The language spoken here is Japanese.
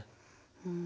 うん。